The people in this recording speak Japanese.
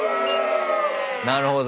なるほど。